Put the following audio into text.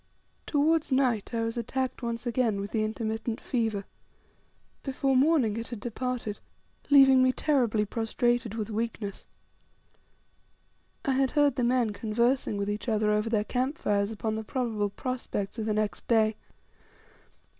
Towards night I was attacked once again with the intermittent fever. Before morning it had departed, leaving me terribly prostrated with weakness. I had heard the men conversing with each other over their camp fires upon the probable prospects of the next day.